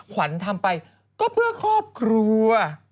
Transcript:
ขวัญทำไปก็เพื่อครอบครัว